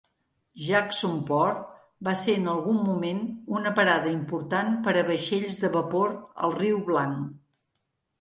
Jacksonport va ser en algun moment una parada important per a vaixells de vapor al riu Blanc.